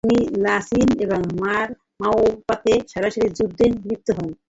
তিনি লাসিন এবং মাওবার্কে সরাসরি যুদ্ধে লিপ্ত হন।